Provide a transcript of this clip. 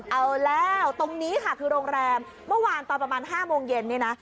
เอาแล้วตรงนี้ค่ะคือโรงแรมเมื่อวานตอนประมาณ๕โมงเย็นเนี่ยนะ